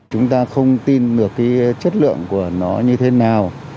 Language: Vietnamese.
chúng ta không tin được cái chất lượng của nó như thế nào